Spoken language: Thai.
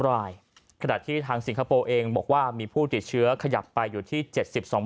รายขณะที่ทางสิงคโปร์เองบอกว่ามีผู้ติดเชื้อขยับไปอยู่ที่๗๒คน